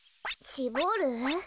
しぼる？